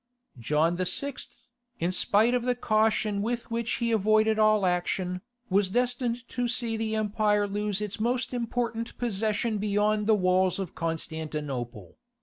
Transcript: (32) John VI., in spite of the caution with which he avoided all action, was destined to see the empire lose its most important possession beyond the walls of Constantinople.